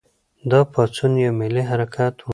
دا پاڅون یو ملي حرکت و.